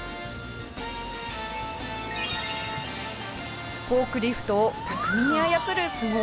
フォークリフトを巧みに操るスゴ技でした。